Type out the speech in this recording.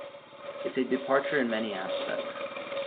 It's a departure in many aspects.